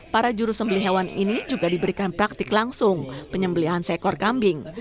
para juru sembeli hewan ini juga diberikan praktik langsung penyembelihan seekor kambing